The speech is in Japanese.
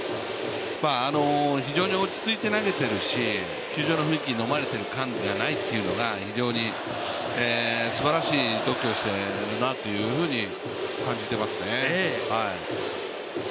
非常に落ち着いて投げてるし球場の雰囲気にのまれている感じがないっていうのが非常にすばらしい度胸しているなというふうに感じていますね。